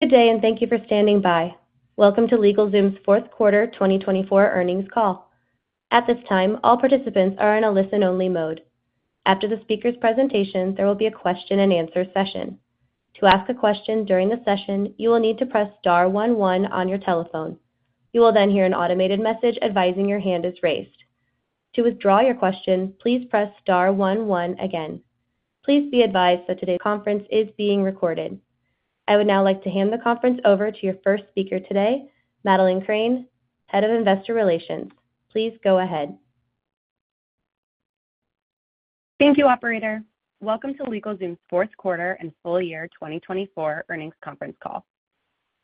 Good day, and thank you for standing by. Welcome to LegalZoom's fourth quarter 2024 earnings call. At this time, all participants are in a listen-only mode. After the speaker's presentation, there will be a question-and-answer session. To ask a question during the session, you will need to press star one one on your telephone. You will then hear an automated message advising your hand is raised. To withdraw your question, please press star one one again. Please be advised that today's conference is being recorded. I would now like to hand the conference over to your first speaker today, Madeleine Crane, Head of Investor Relations. Please go ahead. Thank you, Operator. Welcome to LegalZoom's fourth quarter and full-year 2024 earnings conference call.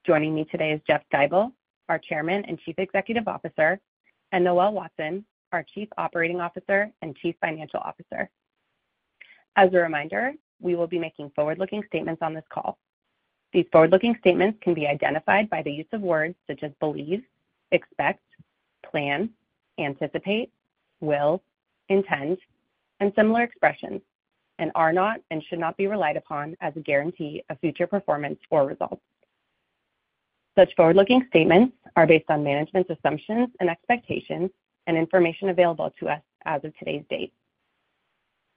Joining me today is Jeff Stibel, our Chairman and Chief Executive Officer, and Noel Watson, our Chief Operating Officer and Chief Financial Officer. As a reminder, we will be making forward-looking statements on this call. These forward-looking statements can be identified by the use of words such as believe, expect, plan, anticipate, will, intend, and similar expressions, and are not and should not be relied upon as a guarantee of future performance or results. Such forward-looking statements are based on management's assumptions and expectations and information available to us as of today's date.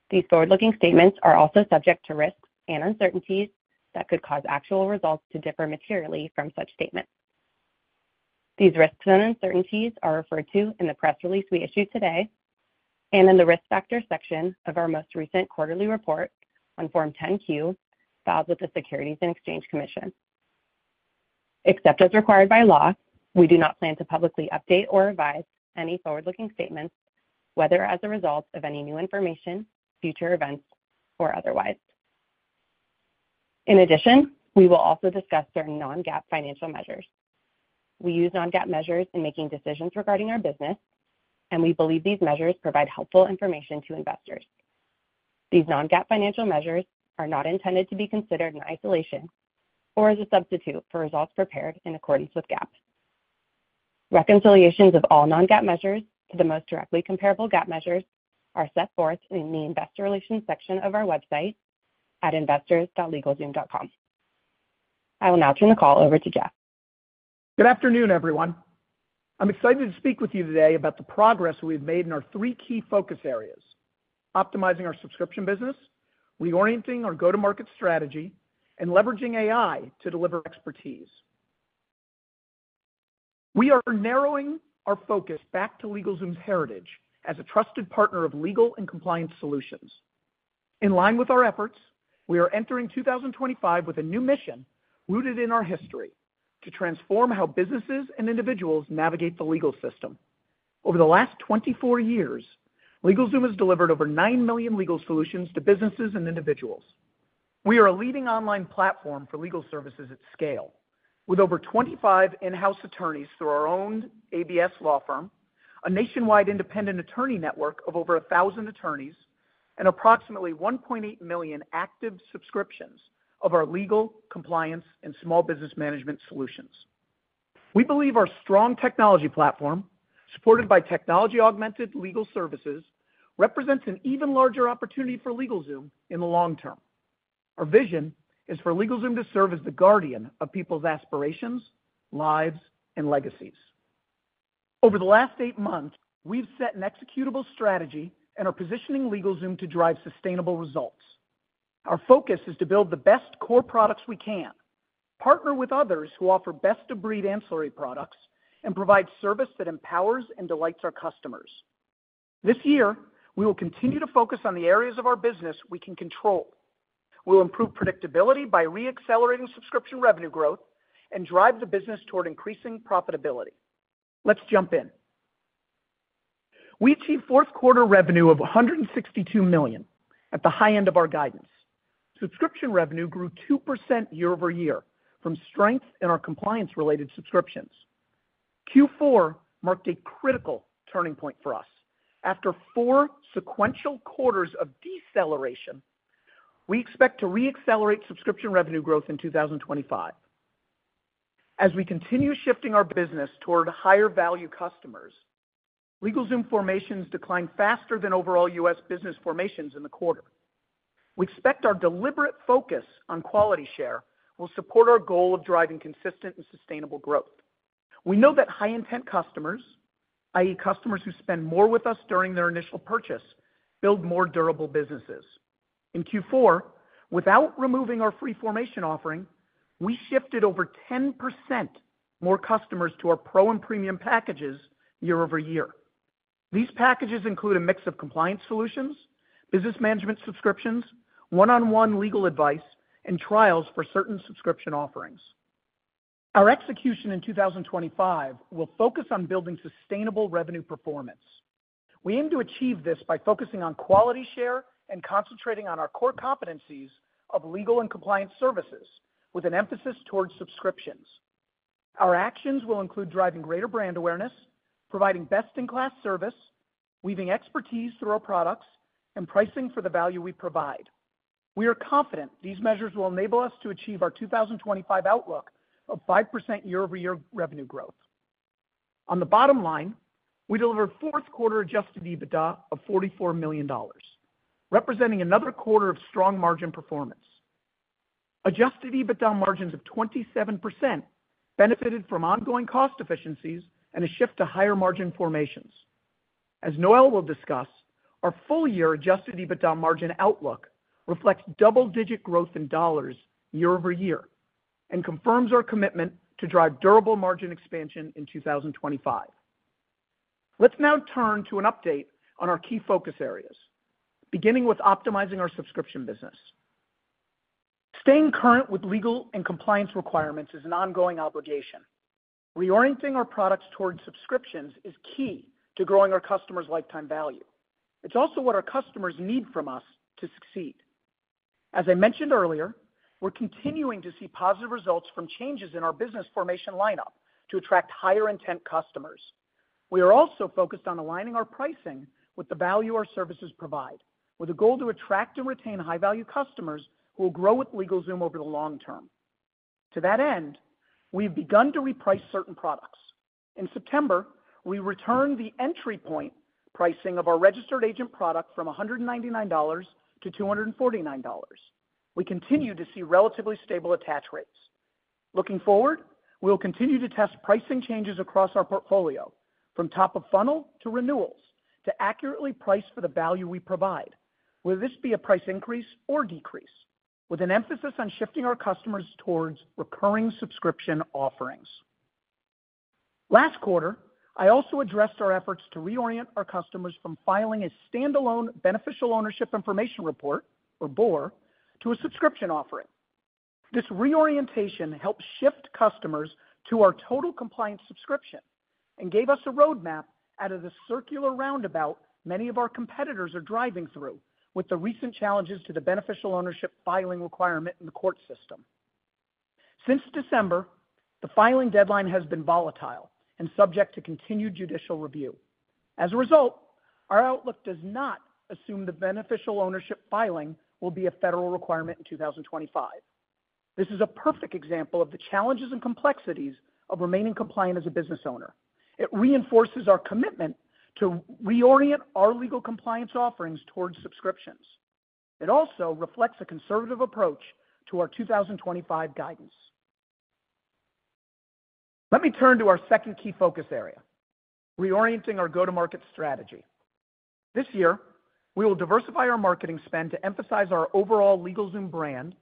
These forward-looking statements are also subject to risks and uncertainties that could cause actual results to differ materially from such statements. These risks and uncertainties are referred to in the press release we issued today and in the risk factor section of our most recent quarterly report on Form 10-Q filed with the Securities and Exchange Commission. Except as required by law, we do not plan to publicly update or revise any forward-looking statements, whether as a result of any new information, future events, or otherwise. In addition, we will also discuss certain non-GAAP financial measures. We use non-GAAP measures in making decisions regarding our business, and we believe these measures provide helpful information to investors. These non-GAAP financial measures are not intended to be considered in isolation or as a substitute for results prepared in accordance with GAAP. Reconciliations of all non-GAAP measures to the most directly comparable GAAP measures are set forth in the Investor Relations section of our website at investors.legalzoom.com. I will now turn the call over to Jeff. Good afternoon, everyone. I'm excited to speak with you today about the progress we have made in our three key focus areas: optimizing our subscription business, reorienting our go-to-market strategy, and leveraging AI to deliver expertise. We are narrowing our focus back to LegalZoom's heritage as a trusted partner of legal and compliance solutions. In line with our efforts, we are entering 2025 with a new mission rooted in our history: to transform how businesses and individuals navigate the legal system. Over the last 24 years, LegalZoom has delivered over nine million legal solutions to businesses and individuals. We are a leading online platform for legal services at scale, with over 25 in-house attorneys through our own ABS law firm, a nationwide independent attorney network of over 1,000 attorneys, and approximately 1.8 million active subscriptions of our legal, compliance, and small business management solutions. We believe our strong technology platform, supported by technology-augmented legal services, represents an even larger opportunity for LegalZoom in the long term. Our vision is for LegalZoom to serve as the guardian of people's aspirations, lives, and legacies. Over the last eight months, we've set an executable strategy and are positioning LegalZoom to drive sustainable results. Our focus is to build the best core products we can, partner with others who offer best-of-breed ancillary products, and provide service that empowers and delights our customers. This year, we will continue to focus on the areas of our business we can control. We'll improve predictability by re-accelerating subscription revenue growth and drive the business toward increasing profitability. Let's jump in. We achieved fourth quarter revenue of $162 million at the high end of our guidance. Subscription revenue grew 2% year over year from strength in our compliance-related subscriptions. Q4 marked a critical turning point for us. After four sequential quarters of deceleration, we expect to re-accelerate subscription revenue growth in 2025. As we continue shifting our business toward higher-value customers, LegalZoom formations declined faster than overall U.S. business formations in the quarter. We expect our deliberate focus on quality share will support our goal of driving consistent and sustainable growth. We know that high-intent customers, i.e., customers who spend more with us during their initial purchase, build more durable businesses. In Q4, without removing our free formation offering, we shifted over 10% more customers to our Pro and Premium packages year-over-year. These packages include a mix of compliance solutions, business management subscriptions, one-on-one legal advice, and trials for certain subscription offerings. Our execution in 2025 will focus on building sustainable revenue performance. We aim to achieve this by focusing on quality share and concentrating on our core competencies of legal and compliance services, with an emphasis toward subscriptions. Our actions will include driving greater brand awareness, providing best-in-class service, weaving expertise through our products, and pricing for the value we provide. We are confident these measures will enable us to achieve our 2025 outlook of 5% year-over-year revenue growth. On the bottom line, we delivered fourth quarter Adjusted EBITDA of $44 million, representing another quarter of strong margin performance. Adjusted EBITDA margins of 27% benefited from ongoing cost efficiencies and a shift to higher-margin formations. As Noel will discuss, our full-year Adjusted EBITDA margin outlook reflects double-digit growth in dollars year-over-year and confirms our commitment to drive durable margin expansion in 2025. Let's now turn to an update on our key focus areas, beginning with optimizing our subscription business. Staying current with legal and compliance requirements is an ongoing obligation. Reorienting our products toward subscriptions is key to growing our customers' lifetime value. It's also what our customers need from us to succeed. As I mentioned earlier, we're continuing to see positive results from changes in our business formation lineup to attract higher-intent customers. We are also focused on aligning our pricing with the value our services provide, with a goal to attract and retain high-value customers who will grow with LegalZoom over the long term. To that end, we've begun to reprice certain products. In September, we returned the entry point pricing of our registered agent product from $199-$249. We continue to see relatively stable attach rates. Looking forward, we will continue to test pricing changes across our portfolio, from top of funnel to renewals, to accurately price for the value we provide, whether this be a price increase or decrease, with an emphasis on shifting our customers towards recurring subscription offerings. Last quarter, I also addressed our efforts to reorient our customers from filing a standalone beneficial ownership information report, or BOIR, to a subscription offering. This reorientation helped shift customers to our Total Compliance subscription and gave us a roadmap out of the circular roundabout many of our competitors are driving through with the recent challenges to the beneficial ownership filing requirement in the court system. Since December, the filing deadline has been volatile and subject to continued judicial review. As a result, our outlook does not assume the beneficial ownership filing will be a federal requirement in 2025. This is a perfect example of the challenges and complexities of remaining compliant as a business owner. It reinforces our commitment to reorient our legal compliance offerings towards subscriptions. It also reflects a conservative approach to our 2025 guidance. Let me turn to our second key focus area: reorienting our go-to-market strategy. This year, we will diversify our marketing spend to emphasize our overall LegalZoom brand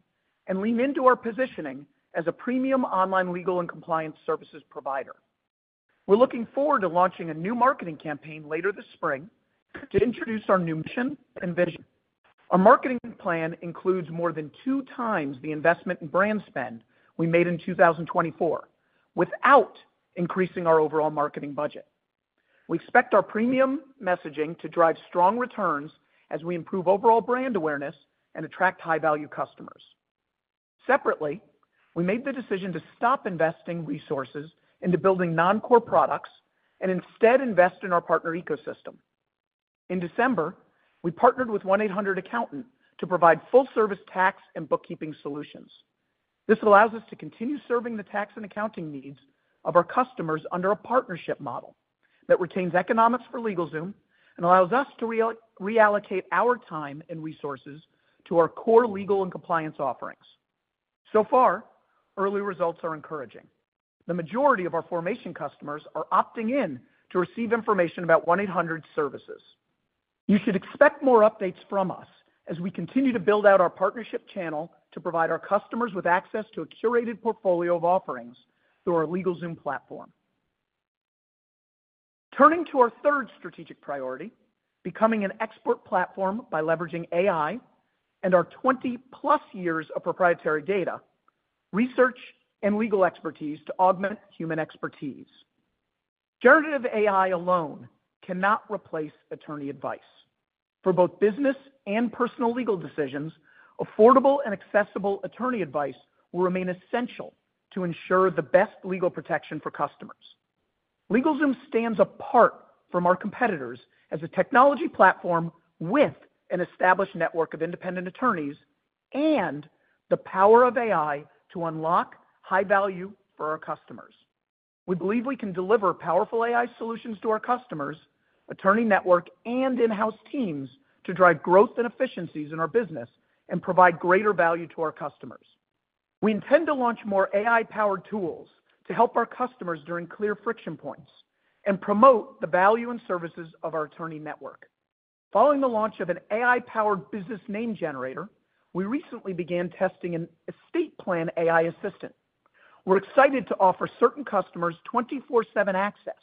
and lean into our positioning as a premium online legal and compliance services provider. We're looking forward to launching a new marketing campaign later this spring to introduce our new mission and vision. Our marketing plan includes more than two times the investment in brand spend we made in 2024 without increasing our overall marketing budget. We expect our premium messaging to drive strong returns as we improve overall brand awareness and attract high-value customers. Separately, we made the decision to stop investing resources into building non-core products and instead invest in our partner ecosystem. In December, we partnered with 1-800Accountant to provide full-service tax and bookkeeping solutions. This allows us to continue serving the tax and accounting needs of our customers under a partnership model that retains economics for LegalZoom and allows us to reallocate our time and resources to our core legal and compliance offerings. So far, early results are encouraging. The majority of our formation customers are opting in to receive information about 1-800Accountant services. You should expect more updates from us as we continue to build out our partnership channel to provide our customers with access to a curated portfolio of offerings through our LegalZoom platform. Turning to our third strategic priority: becoming an export platform by leveraging AI and our 20-plus years of proprietary data, research, and legal expertise to augment human expertise. Generative AI alone cannot replace attorney advice. For both business and personal legal decisions, affordable and accessible attorney advice will remain essential to ensure the best legal protection for customers. LegalZoom stands apart from our competitors as a technology platform with an established network of independent attorneys and the power of AI to unlock high value for our customers. We believe we can deliver powerful AI solutions to our customers, attorney network, and in-house teams to drive growth and efficiencies in our business and provide greater value to our customers. We intend to launch more AI-powered tools to help our customers during clear friction points and promote the value and services of our attorney network. Following the launch of an AI-powered business name generator, we recently began testing an Estate Plan AI Assistant. We're excited to offer certain customers 24/7 access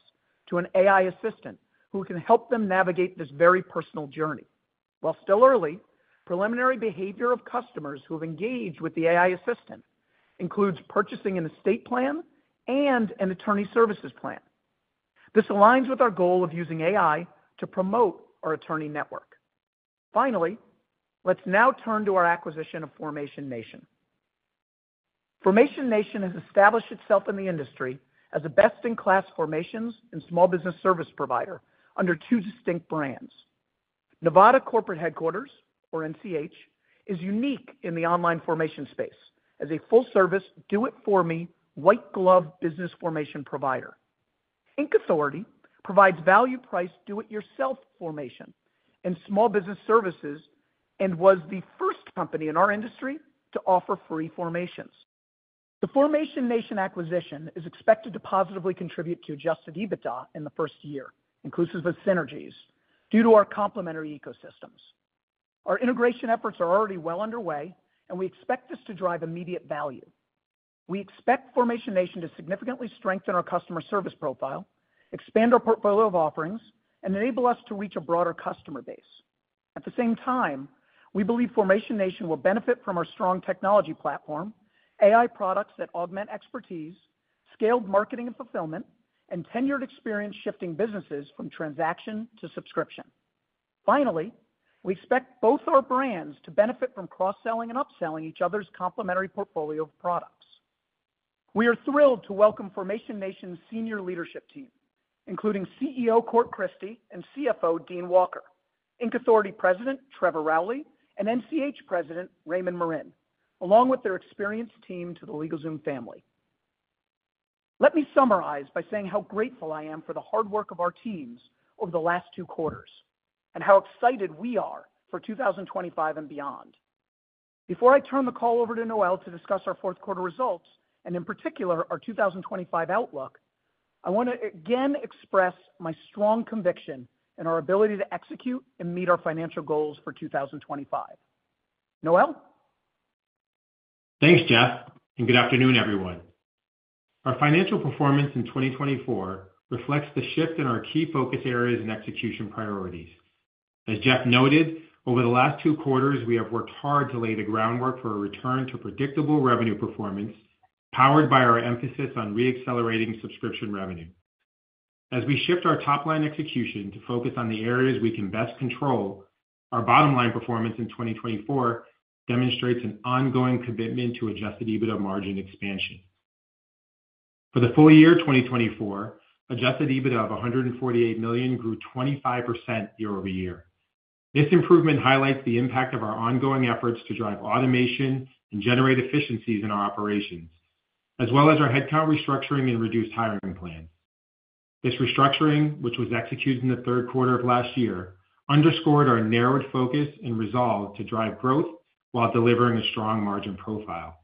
to an AI assistant who can help them navigate this very personal journey. While still early, preliminary behavior of customers who have engaged with the AI assistant includes purchasing an estate plan and an attorney services plan. This aligns with our goal of using AI to promote our attorney network. Finally, let's now turn to our acquisition of Formation Nation. Formation Nation has established itself in the industry as a best-in-class formations and small business service provider under two distinct brands. Nevada Corporate Headquarters, or NCH, is unique in the online formation space as a full-service do-it-for-me white-glove business formation provider. Inc Authority provides value-priced do-it-yourself formation and small business services and was the first company in our industry to offer free formations. The Formation Nation acquisition is expected to positively contribute to Adjusted EBITDA in the first year, inclusive of synergies, due to our complementary ecosystems. Our integration efforts are already well underway, and we expect this to drive immediate value. We expect Formation Nation to significantly strengthen our customer service profile, expand our portfolio of offerings, and enable us to reach a broader customer base. At the same time, we believe Formation Nation will benefit from our strong technology platform, AI products that augment expertise, scaled marketing and fulfillment, and tenured experience shifting businesses from transaction to subscription. Finally, we expect both our brands to benefit from cross-selling and upselling each other's complementary portfolio of products. We are thrilled to welcome Formation Nation's senior leadership team, including CEO Court Christie and CFO Dean Walker, Inc Authority President Trevor Rowley, and NCH President Raymond Marin, along with their experienced team to the LegalZoom family. Let me summarize by saying how grateful I am for the hard work of our teams over the last two quarters and how excited we are for 2025 and beyond. Before I turn the call over to Noel to discuss our fourth quarter results and, in particular, our 2025 outlook, I want to again express my strong conviction in our ability to execute and meet our financial goals for 2025. Noel? Thanks, Jeff, and good afternoon, everyone. Our financial performance in 2024 reflects the shift in our key focus areas and execution priorities. As Jeff noted, over the last two quarters, we have worked hard to lay the groundwork for a return to predictable revenue performance powered by our emphasis on re-accelerating subscription revenue. As we shift our top-line execution to focus on the areas we can best control, our bottom-line performance in 2024 demonstrates an ongoing commitment to adjusted EBITDA margin expansion. For the full-year 2024, adjusted EBITDA of $148 million grew 25% year over year. This improvement highlights the impact of our ongoing efforts to drive automation and generate efficiencies in our operations, as well as our headcount restructuring and reduced hiring plans. This restructuring, which was executed in the third quarter of last year, underscored our narrowed focus and resolve to drive growth while delivering a strong margin profile.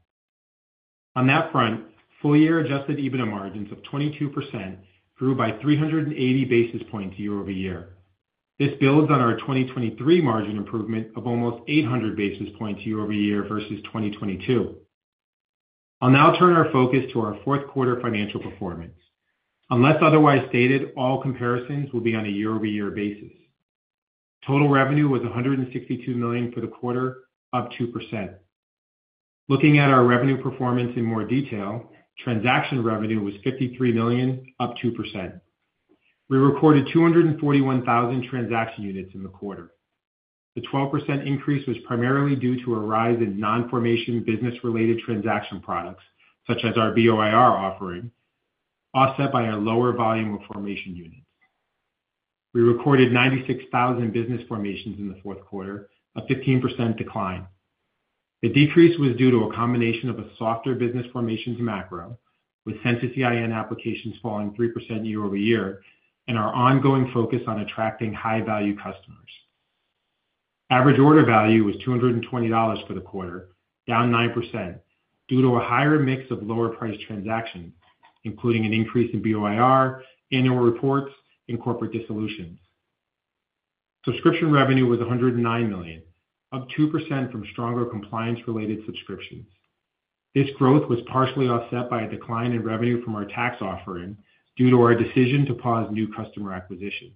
On that front, full-year adjusted EBITDA margins of 22% grew by 380 basis points year-over-year. This builds on our 2023 margin improvement of almost 800 basis points year-over-year versus 2022. I'll now turn our focus to our fourth quarter financial performance. Unless otherwise stated, all comparisons will be on a year-over-year basis. Total revenue was $162 million for the quarter, up 2%. Looking at our revenue performance in more detail, transaction revenue was $53 million, up 2%. We recorded 241,000 transaction units in the quarter. The 12% increase was primarily due to a rise in non-formation business-related transaction products, such as our BOIR offering, offset by our lower volume of formation units. We recorded 96,000 business formations in the fourth quarter, a 15% decline. The decrease was due to a combination of a softer business formations macro, with Census EIN applications falling 3% year-over-year, and our ongoing focus on attracting high-value customers. Average order value was $220 for the quarter, down 9%, due to a higher mix of lower-priced transactions, including an increase in BOIR, annual reports, and corporate dissolutions. Subscription revenue was $109 million, up 2% from stronger compliance-related subscriptions. This growth was partially offset by a decline in revenue from our tax offering due to our decision to pause new customer acquisition.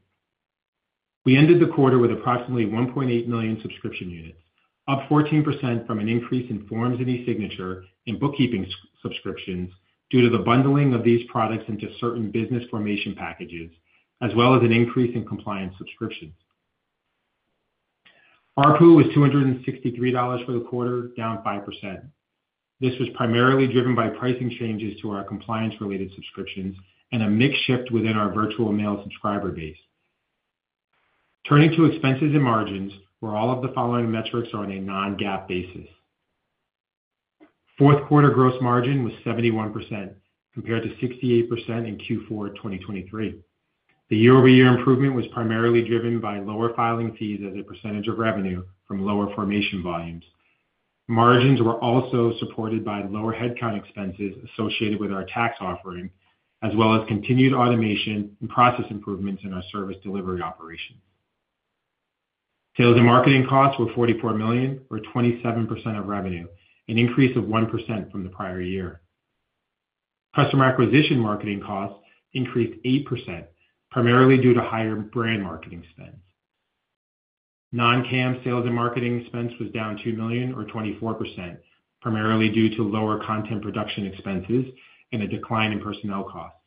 We ended the quarter with approximately 1.8 million subscription units, up 14% from an increase in forms and e-signature and bookkeeping subscriptions due to the bundling of these products into certain business formation packages, as well as an increase in compliance subscriptions. ARPU was $263 for the quarter, down 5%. This was primarily driven by pricing changes to our compliance-related subscriptions and a mix shift within our Virtual Mail subscriber base. Turning to expenses and margins, where all of the following metrics are on a non-GAAP basis. Fourth quarter gross margin was 71%, compared to 68% in Q4 2023. The year-over-year improvement was primarily driven by lower filing fees as a percentage of revenue from lower formation volumes. Margins were also supported by lower headcount expenses associated with our tax offering, as well as continued automation and process improvements in our service delivery operations. Sales and marketing costs were $44 million, or 27% of revenue, an increase of 1% from the prior year. Customer acquisition marketing costs increased 8%, primarily due to higher brand marketing spend. Non-CAM sales and marketing expense was down $2 million, or 24%, primarily due to lower content production expenses and a decline in personnel costs.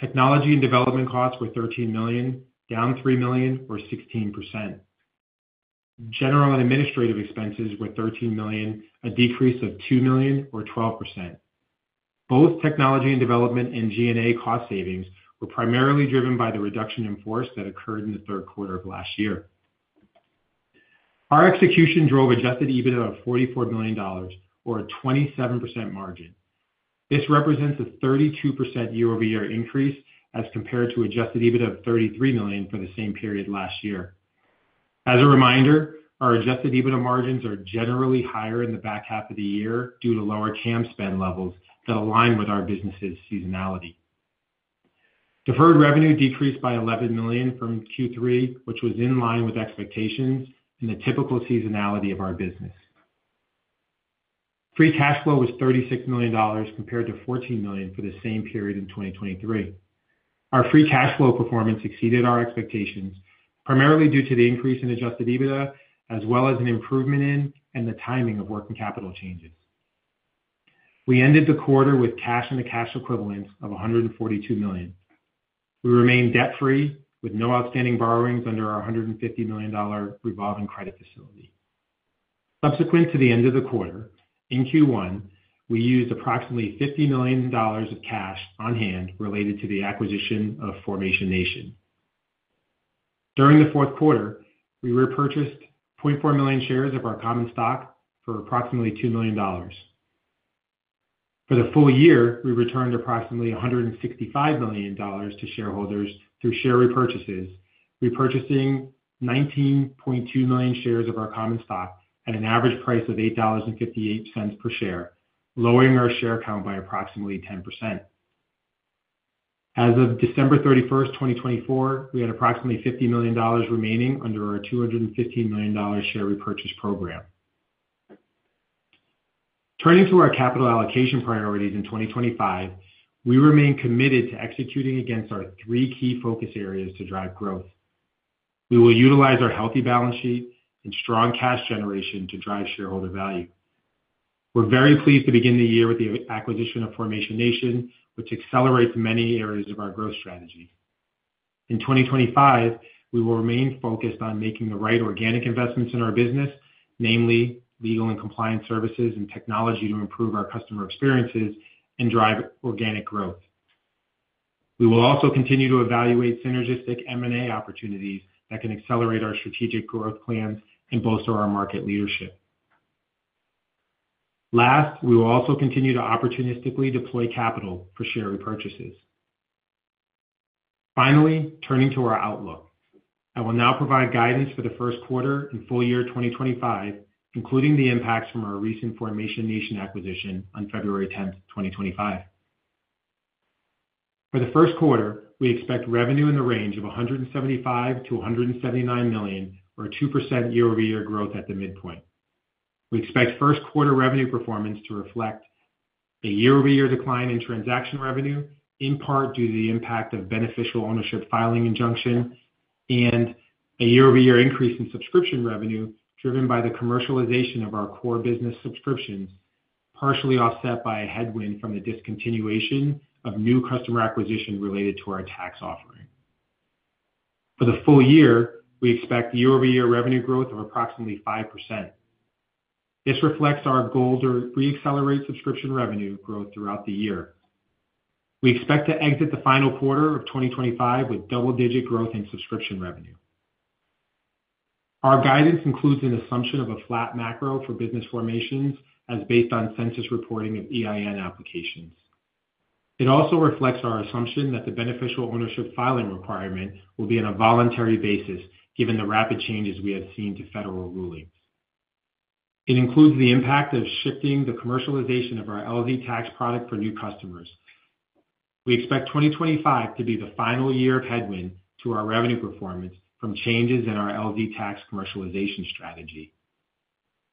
Technology and development costs were $13 million, down $3 million, or 16%. General and administrative expenses were $13 million, a decrease of $2 million, or 12%. Both technology and development and G&A cost savings were primarily driven by the reduction in force that occurred in the third quarter of last year. Our execution drove adjusted EBITDA of $44 million, or a 27% margin. This represents a 32% year-over-year increase as compared to adjusted EBITDA of $33 million for the same period last year. As a reminder, our adjusted EBITDA margins are generally higher in the back half of the year due to lower CAM spend levels that align with our business's seasonality. Deferred revenue decreased by $11 million from Q3, which was in line with expectations and the typical seasonality of our business. Free cash flow was $36 million compared to $14 million for the same period in 2023. Our free cash flow performance exceeded our expectations, primarily due to the increase in Adjusted EBITDA, as well as an improvement in and the timing of working capital changes. We ended the quarter with cash and cash equivalents of $142 million. We remained debt-free with no outstanding borrowings under our $150 million revolving credit facility. Subsequent to the end of the quarter, in Q1, we used approximately $50 million of cash on hand related to the acquisition of Formation Nation. During the fourth quarter, we repurchased 0.4 million shares of our common stock for approximately $2 million. For the full-year, we returned approximately $165 million to shareholders through share repurchases, repurchasing 19.2 million shares of our common stock at an average price of $8.58 per share, lowering our share count by approximately 10%. As of December 31st, 2024, we had approximately $50 million remaining under our $215 million share repurchase program. Turning to our capital allocation priorities in 2025, we remain committed to executing against our three key focus areas to drive growth. We will utilize our healthy balance sheet and strong cash generation to drive shareholder value. We're very pleased to begin the year with the acquisition of Formation Nation, which accelerates many areas of our growth strategy. In 2025, we will remain focused on making the right organic investments in our business, namely legal and compliance services and technology to improve our customer experiences and drive organic growth. We will also continue to evaluate synergistic M&A opportunities that can accelerate our strategic growth plans and bolster our market leadership. Last, we will also continue to opportunistically deploy capital for share repurchases. Finally, turning to our outlook, I will now provide guidance for the first quarter and full-year 2025, including the impacts from our recent Formation Nation acquisition on February 10th, 2025. For the first quarter, we expect revenue in the range of $175 million- $179 million, or 2% year-over-year growth at the midpoint. We expect first quarter revenue performance to reflect a year-over-year decline in transaction revenue, in part due to the impact of beneficial ownership filing injunction and a year-over-year increase in subscription revenue driven by the commercialization of our core business subscriptions, partially offset by a headwind from the discontinuation of new customer acquisition related to our tax offering. For the full-year, we expect year-over-year revenue growth of approximately 5%. This reflects our goal to re-accelerate subscription revenue growth throughout the year. We expect to exit the final quarter of 2025 with double-digit growth in subscription revenue. Our guidance includes an assumption of a flat macro for business formations as based on Census reporting of EIN applications. It also reflects our assumption that the beneficial ownership filing requirement will be on a voluntary basis, given the rapid changes we have seen to federal rulings. It includes the impact of shifting the commercialization of our LZ Tax product for new customers. We expect 2025 to be the final year of headwind to our revenue performance from changes in our LZ Tax commercialization strategy.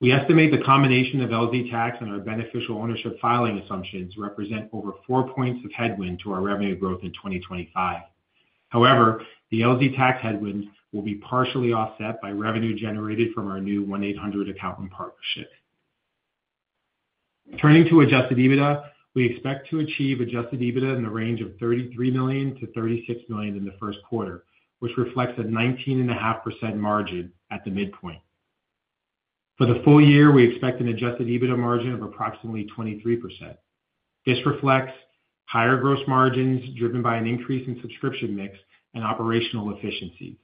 We estimate the combination of LZ Tax and our beneficial ownership filing assumptions represent over four points of headwind to our revenue growth in 2025. However, the LZ Tax headwinds will be partially offset by revenue generated from our new 1-800Accountant partnership. Turning to Adjusted EBITDA, we expect to achieve Adjusted EBITDA in the range of $33 million-$36 million in the first quarter, which reflects a 19.5% margin at the midpoint. For the full-year, we expect an Adjusted EBITDA margin of approximately 23%. This reflects higher gross margins driven by an increase in subscription mix and operational efficiencies,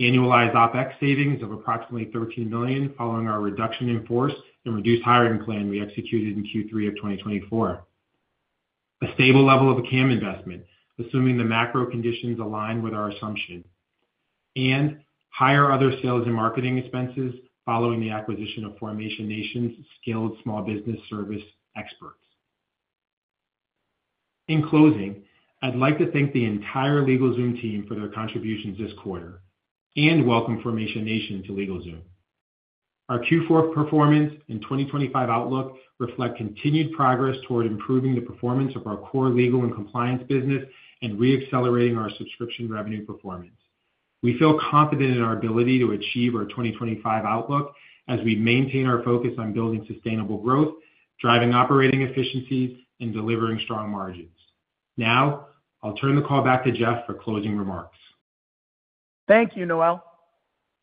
annualized OPEX savings of approximately $13 million following our reduction in force and reduced hiring plan we executed in Q3 of 2024, a stable level of a CAM investment assuming the macro conditions align with our assumption, and higher other sales and marketing expenses following the acquisition of Formation Nation's skilled small business service experts. In closing, I'd like to thank the entire LegalZoom team for their contributions this quarter and welcome Formation Nation to LegalZoom. Our Q4 performance and 2025 outlook reflect continued progress toward improving the performance of our core legal and compliance business and re-accelerating our subscription revenue performance. We feel confident in our ability to achieve our 2025 outlook as we maintain our focus on building sustainable growth, driving operating efficiencies, and delivering strong margins. Now, I'll turn the call back to Jeff for closing remarks. Thank you, Noel.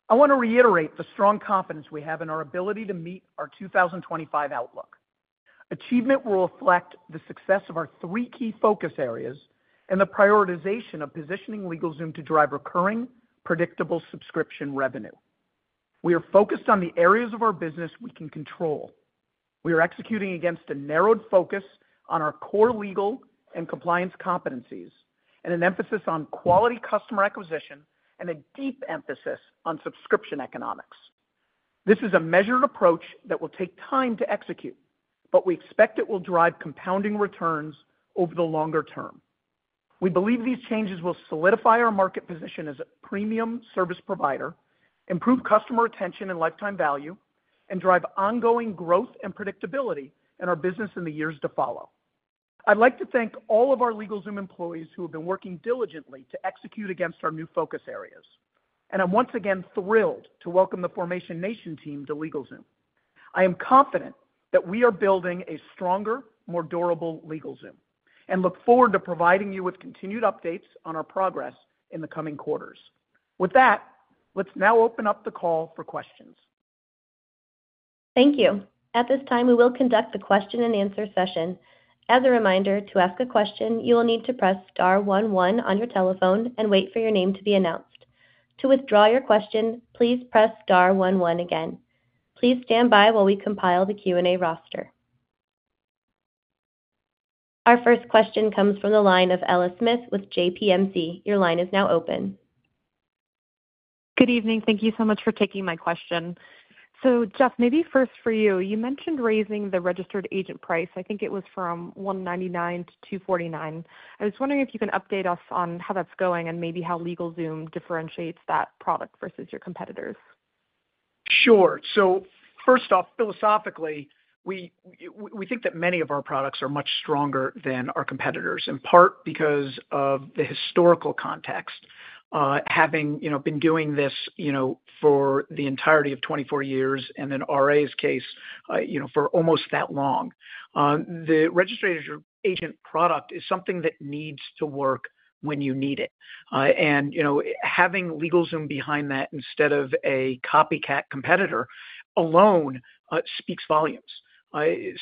I want to reiterate the strong confidence we have in our ability to meet our 2025 outlook. Achievement will reflect the success of our three key focus areas and the prioritization of positioning LegalZoom to drive recurring, predictable subscription revenue. We are focused on the areas of our business we can control. We are executing against a narrowed focus on our core legal and compliance competencies and an emphasis on quality customer acquisition and a deep emphasis on subscription economics. This is a measured approach that will take time to execute, but we expect it will drive compounding returns over the longer term. We believe these changes will solidify our market position as a premium service provider, improve customer retention and lifetime value, and drive ongoing growth and predictability in our business in the years to follow. I'd like to thank all of our LegalZoom employees who have been working diligently to execute against our new focus areas. I'm once again thrilled to welcome the Formation Nation team to LegalZoom. I am confident that we are building a stronger, more durable LegalZoom and look forward to providing you with continued updates on our progress in the coming quarters. With that, let's now open up the call for questions. Thank you. At this time, we will conduct the question-and-answer session. As a reminder, to ask a question, you will need to press star one one on your telephone and wait for your name to be announced. To withdraw your question, please press star one one again. Please stand by while we compile the Q&A roster. Our first question comes from the line of Ella Smith with JPMC. Your line is now open. Good evening. Thank you so much for taking my question. So, Jeff, maybe first for you, you mentioned raising the registered agent price. I think it was from $199-$249. I was wondering if you can update us on how that's going and maybe how LegalZoom differentiates that product versus your competitors. Sure. So, first off, philosophically, we think that many of our products are much stronger than our competitors, in part because of the historical context, having been doing this for the entirety of 24 years and in RA's case for almost that long. The registered agent product is something that needs to work when you need it, and having LegalZoom behind that instead of a copycat competitor alone speaks volumes,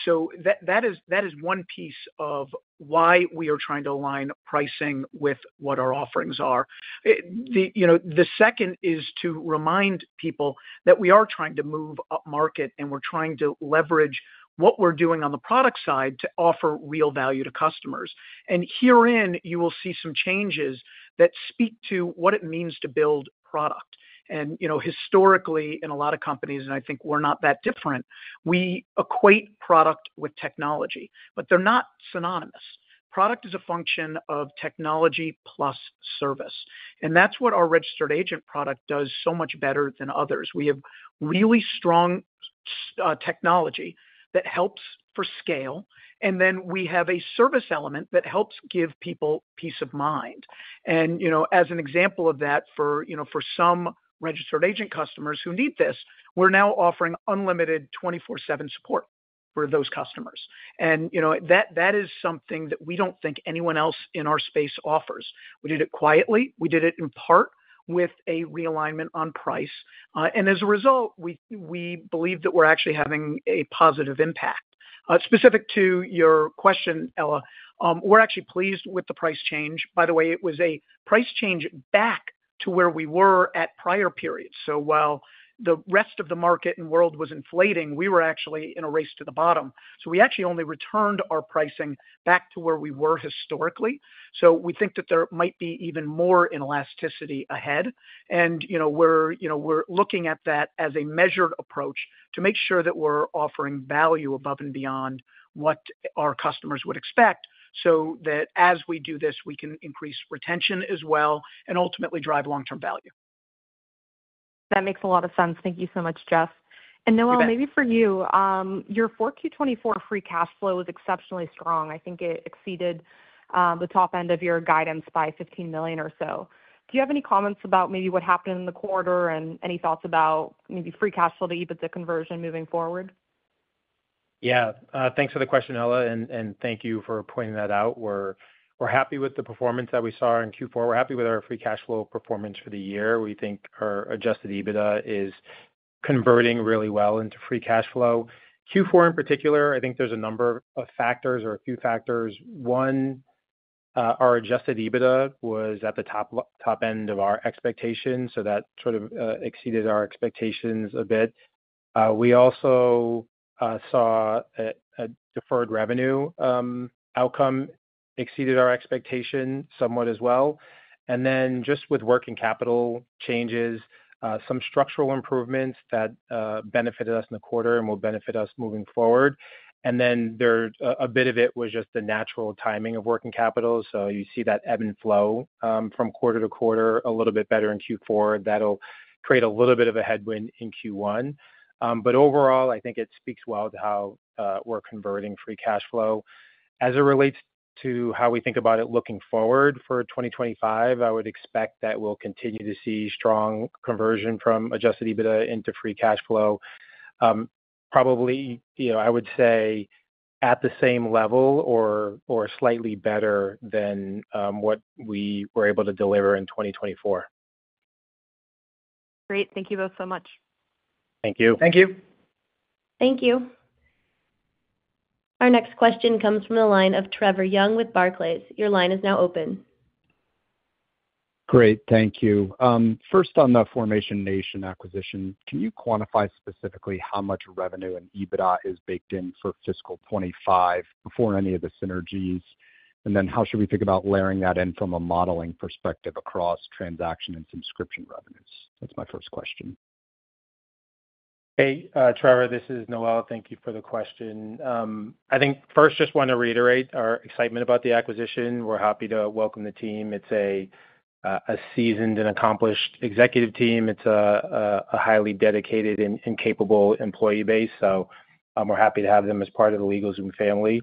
so that is one piece of why we are trying to align pricing with what our offerings are. The second is to remind people that we are trying to move up market and we're trying to leverage what we're doing on the product side to offer real value to customers, and herein you will see some changes that speak to what it means to build product. Historically, in a lot of companies, and I think we're not that different, we equate product with technology, but they're not synonymous. Product is a function of technology plus service. That's what our registered agent product does so much better than others. We have really strong technology that helps for scale, and then we have a service element that helps give people peace of mind. As an example of that, for some registered agent customers who need this, we're now offering unlimited 24/7 support for those customers. That is something that we don't think anyone else in our space offers. We did it quietly. We did it in part with a realignment on price. As a result, we believe that we're actually having a positive impact. Specific to your question, Ella, we're actually pleased with the price change. By the way, it was a price change back to where we were at prior periods, so while the rest of the market and world was inflating, we were actually in a race to the bottom, so we actually only returned our pricing back to where we were historically, so we think that there might be even more elasticity ahead, and we're looking at that as a measured approach to make sure that we're offering value above and beyond what our customers would expect so that as we do this, we can increase retention as well and ultimately drive long-term value. That makes a lot of sense. Thank you so much, Jeff, and Noel, maybe for you, your 4Q24 Free Cash Flow was exceptionally strong. I think it exceeded the top end of your guidance by $15 million or so. Do you have any comments about maybe what happened in the quarter and any thoughts about maybe free cash flow to EBITDA conversion moving forward? Yeah. Thanks for the question, Ella, and thank you for pointing that out. We're happy with the performance that we saw in Q4. We're happy with our free cash flow performance for the year. We think our adjusted EBITDA is converting really well into free cash flow. Q4, in particular, I think there's a number of factors or a few factors. One, our adjusted EBITDA was at the top end of our expectations, so that sort of exceeded our expectations a bit. We also saw a deferred revenue outcome exceeded our expectation somewhat as well. And then just with working capital changes, some structural improvements that benefited us in the quarter and will benefit us moving forward. And then a bit of it was just the natural timing of working capital. So you see that ebb and flow from quarter to quarter a little bit better in Q4. That'll create a little bit of a headwind in Q1. But overall, I think it speaks well to how we're converting Free Cash Flow. As it relates to how we think about it looking forward for 2025, I would expect that we'll continue to see strong conversion from Adjusted EBITDA into Free Cash Flow. Probably, I would say at the same level or slightly better than what we were able to deliver in 2024. Great. Thank you both so much. Thank you. Thank you. Thank you. Our next question comes from the line of Trevor Young with Barclays. Your line is now open. Great. Thank you. First, on the Formation Nation acquisition, can you quantify specifically how much revenue and EBITDA is baked in for fiscal 2025 before any of the synergies? And then how should we think about layering that in from a modeling perspective across transaction and subscription revenues? That's my first question. Hey, Trevor, this is Noel. Thank you for the question. I think first, just want to reiterate our excitement about the acquisition. We're happy to welcome the team. It's a seasoned and accomplished executive team. It's a highly dedicated and capable employee base. So we're happy to have them as part of the LegalZoom family.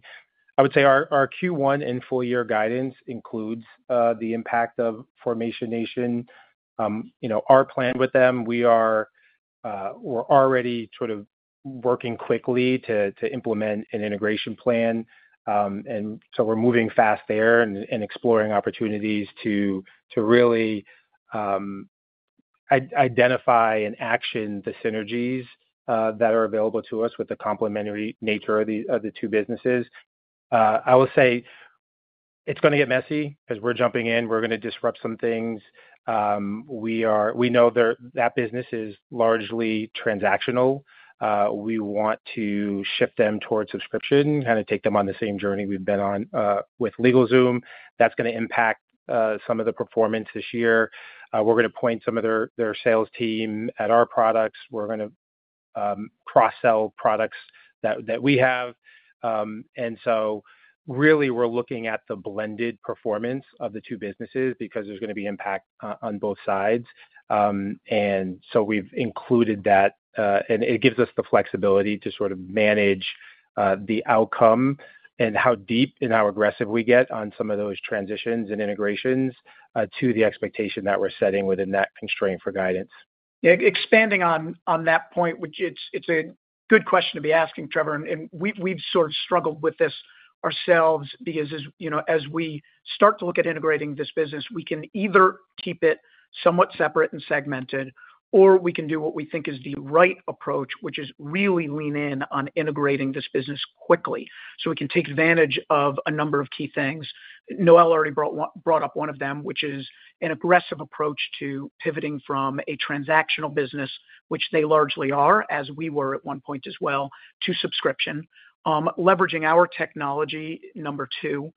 I would say our Q1 and full-year guidance includes the impact of Formation Nation. Our plan with them, we're already sort of working quickly to implement an integration plan. And so we're moving fast there and exploring opportunities to really identify and action the synergies that are available to us with the complementary nature of the two businesses. I will say it's going to get messy as we're jumping in. We're going to disrupt some things. We know that business is largely transactional. We want to shift them towards subscription, kind of take them on the same journey we've been on with LegalZoom. That's going to impact some of the performance this year. We're going to point some of their sales team at our products. We're going to cross-sell products that we have. And so really, we're looking at the blended performance of the two businesses because there's going to be impact on both sides. And so we've included that. It gives us the flexibility to sort of manage the outcome and how deep and how aggressive we get on some of those transitions and integrations to the expectation that we're setting within that constraint for guidance. Expanding on that point, it's a good question to be asking, Trevor. We've sort of struggled with this ourselves because as we start to look at integrating this business, we can either keep it somewhat separate and segmented, or we can do what we think is the right approach, which is really lean in on integrating this business quickly so we can take advantage of a number of key things. Noel already brought up one of them, which is an aggressive approach to pivoting from a transactional business, which they largely are, as we were at one point as well, to subscription, leveraging our technology. Number two,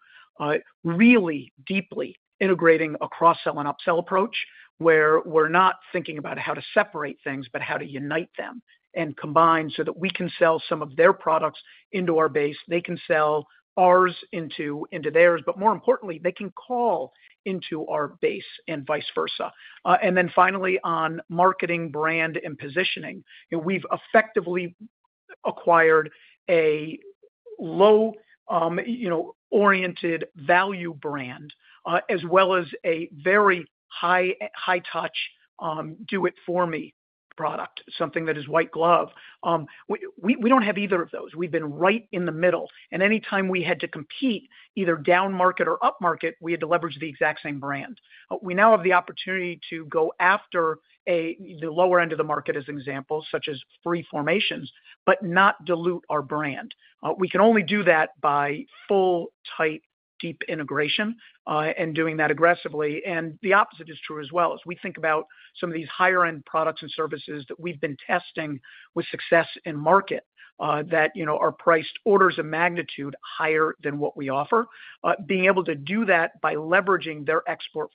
really deeply integrating a cross-sell and upsell approach where we're not thinking about how to separate things, but how to unite them and combine so that we can sell some of their products into our base. They can sell ours into theirs, but more importantly, they can call into our base and vice versa. And then finally, on marketing, brand, and positioning, we've effectively acquired a low-oriented value brand as well as a very high-touch do-it-for-me product, something that is white glove. We don't have either of those. We've been right in the middle. And anytime we had to compete either down market or up market, we had to leverage the exact same brand. We now have the opportunity to go after the lower end of the market as an example, such as free formations, but not dilute our brand. We can only do that by full, tight, deep integration and doing that aggressively. And the opposite is true as well. As we think about some of these higher-end products and services that we've been testing with success in market that are priced orders of magnitude higher than what we offer, being able to do that by leveraging their expert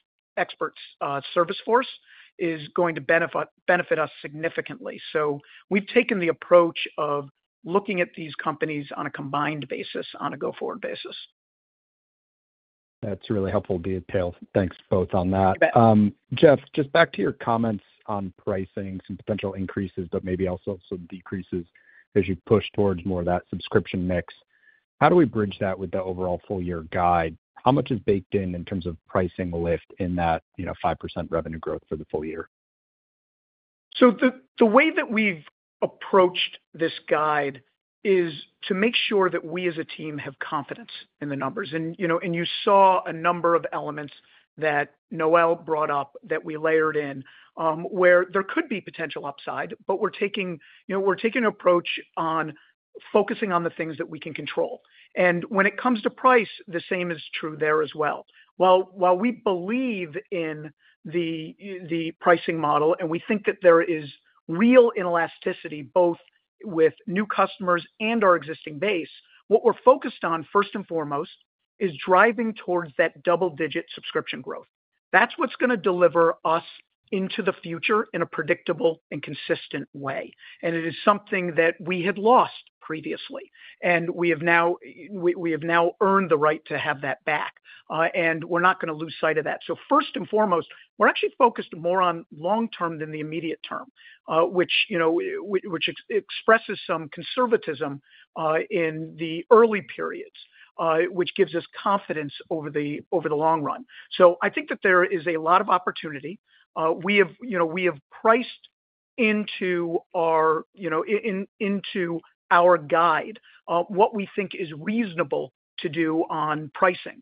service force is going to benefit us significantly. So we've taken the approach of looking at these companies on a combined basis, on a go-forward basis. That's really helpful detail. Thanks both on that. Jeff, just back to your comments on pricing, some potential increases, but maybe also some decreases as you push towards more of that subscription mix. How do we bridge that with the overall full-year guide? How much is baked in in terms of pricing lift in that 5% revenue growth for the full-year? So the way that we've approached this guide is to make sure that we as a team have confidence in the numbers. And you saw a number of elements that Noel brought up that we layered in where there could be potential upside, but we're taking an approach on focusing on the things that we can control. And when it comes to price, the same is true there as well. While we believe in the pricing model and we think that there is real elasticity both with new customers and our existing base, what we're focused on first and foremost is driving towards that double-digit subscription growth. That's what's going to deliver us into the future in a predictable and consistent way. And it is something that we had lost previously. And we have now earned the right to have that back. And we're not going to lose sight of that. So first and foremost, we're actually focused more on long-term than the immediate term, which expresses some conservatism in the early periods, which gives us confidence over the long run. So I think that there is a lot of opportunity. We have priced into our guide what we think is reasonable to do on pricing,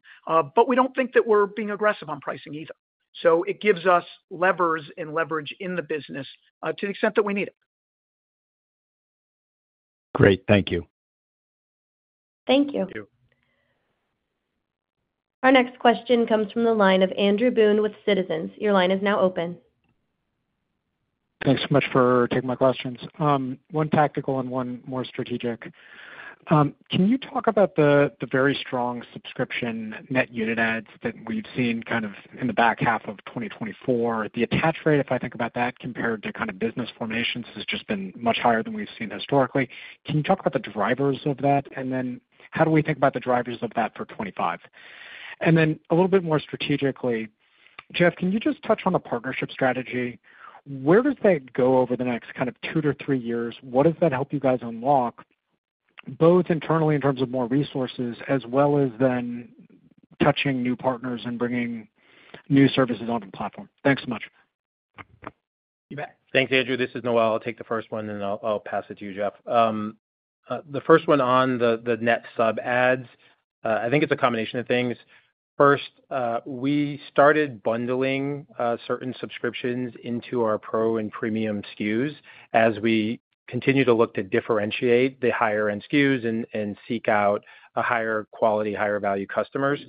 but we don't think that we're being aggressive on pricing either. So it gives us levers and leverage in the business to the extent that we need it. Great. Thank you. Thank you. Our next question comes from the line of Andrew Boone with Citizens. Your line is now open. Thanks so much for taking my questions. One tactical and one more strategic. Can you talk about the very strong subscription net unit adds that we've seen kind of in the back half of 2024? The attach rate, if I think about that, compared to kind of business formations has just been much higher than we've seen historically. Can you talk about the drivers of that? And then how do we think about the drivers of that for 2025? And then a little bit more strategically, Jeff, can you just touch on the partnership strategy? Where does that go over the next kind of two to three years? What does that help you guys unlock both internally in terms of more resources as well as then touching new partners and bringing new services onto the platform? Thanks so much. Thanks, Andrew. This is Noel. I'll take the first one, and I'll pass it to you, Jeff. The first one on the net sub adds, I think it's a combination of things. First, we started bundling certain subscriptions into our pro and premium SKUs as we continue to look to differentiate the higher-end SKUs and seek out higher quality, higher-value customers.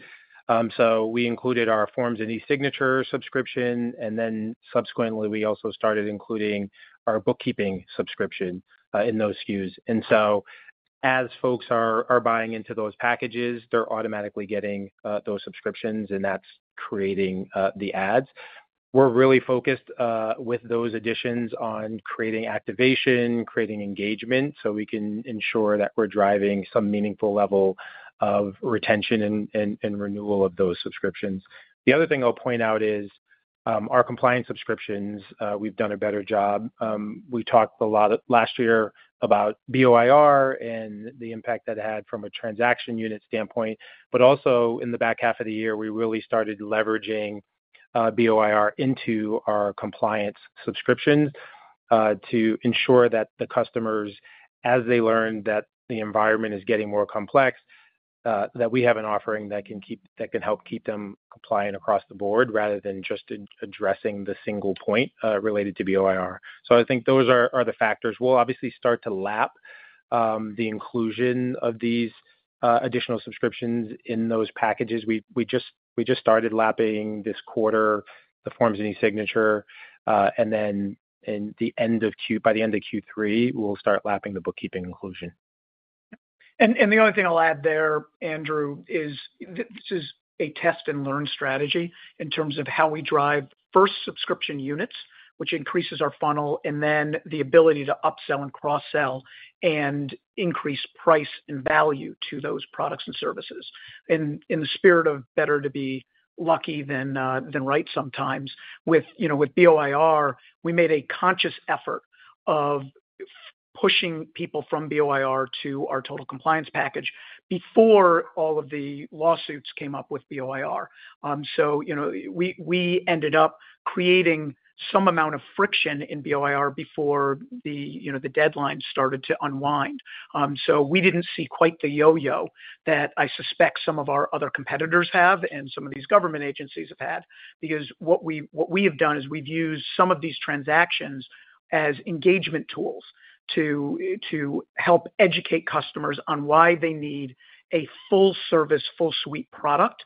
So we included our forms and e-signature subscription. And then subsequently, we also started including our bookkeeping subscription in those SKUs. And so as folks are buying into those packages, they're automatically getting those subscriptions, and that's creating the adds. We're really focused with those additions on creating activation, creating engagement so we can ensure that we're driving some meaningful level of retention and renewal of those subscriptions. The other thing I'll point out is our compliance subscriptions. We've done a better job. We talked a lot last year about BOIR and the impact that it had from a transaction unit standpoint. But also in the back half of the year, we really started leveraging BOIR into our compliance subscriptions to ensure that the customers, as they learn that the environment is getting more complex, that we have an offering that can help keep them compliant across the board rather than just addressing the single point related to BOIR. So I think those are the factors. We'll obviously start to lap the inclusion of these additional subscriptions in those packages. We just started lapping this quarter, the forms and e-signature. Then by the end of Q3, we'll start lapping the bookkeeping inclusion. The only thing I'll add there, Andrew, is this is a test-and-learn strategy in terms of how we drive first subscription units, which increases our funnel, and then the ability to upsell and cross-sell and increase price and value to those products and services. In the spirit of better to be lucky than right sometimes, with BOIR, we made a conscious effort of pushing people from BOIR to our Total Compliance Package before all of the lawsuits came up with BOIR. So we ended up creating some amount of friction in BOIR before the deadline started to unwind. So we didn't see quite the yo-yo that I suspect some of our other competitors have and some of these government agencies have had. Because what we have done is we've used some of these transactions as engagement tools to help educate customers on why they need a full-service, full-suite product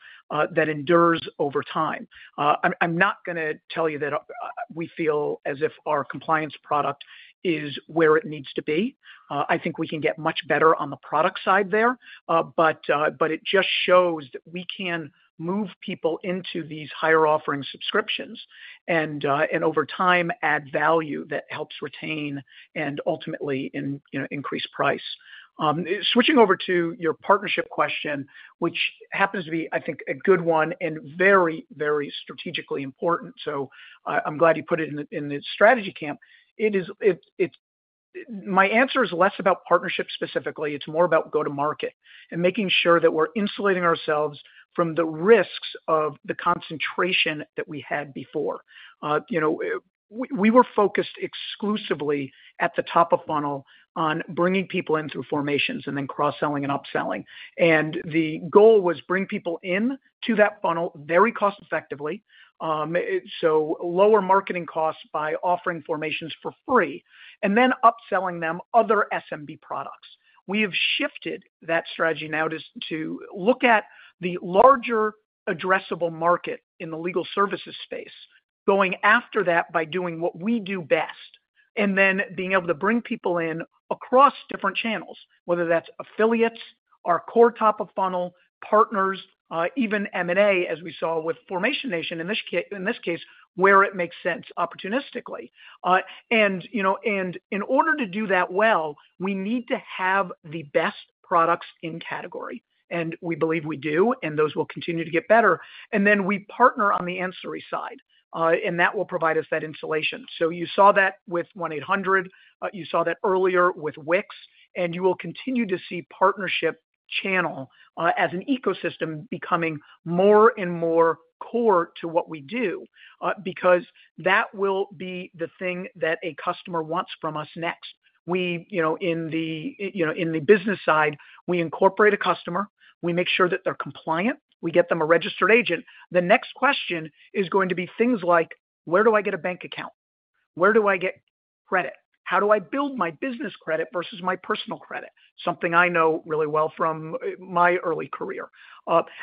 that endures over time. I'm not going to tell you that we feel as if our compliance product is where it needs to be. I think we can get much better on the product side there, but it just shows that we can move people into these higher-offering subscriptions and over time add value that helps retain and ultimately increase price. Switching over to your partnership question, which happens to be, I think, a good one and very, very strategically important, so I'm glad you put it in the strategy camp. My answer is less about partnership specifically. It's more about go-to-market and making sure that we're insulating ourselves from the risks of the concentration that we had before. We were focused exclusively at the top of funnel on bringing people in through formations and then cross-selling and upselling, and the goal was to bring people into that funnel very cost-effectively, so lower marketing costs by offering formations for free, and then upselling them other SMB products. We have shifted that strategy now to look at the larger addressable market in the legal services space, going after that by doing what we do best, and then being able to bring people in across different channels, whether that's affiliates, our core top of funnel, partners, even M&A, as we saw with Formation Nation in this case, where it makes sense opportunistically, and in order to do that well, we need to have the best products in category, and we believe we do, and those will continue to get better. And then we partner on the ancillary side, and that will provide us that insulation. So you saw that with 1-800. You saw that earlier with Wix, and you will continue to see partnership channel as an ecosystem becoming more and more core to what we do because that will be the thing that a customer wants from us next. In the business side, we incorporate a customer. We make sure that they're compliant. We get them a registered agent. The next question is going to be things like, where do I get a bank account? Where do I get credit? How do I build my business credit versus my personal credit? Something I know really well from my early career.